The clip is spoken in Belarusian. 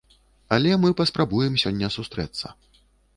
Але мы паспрабуем сёння сустрэцца.